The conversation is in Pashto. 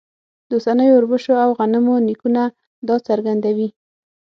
د اوسنیو اوربشو او غنمو نیکونه دا څرګندوي.